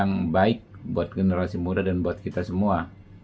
yang baik buat generasi muda dan buat kita semua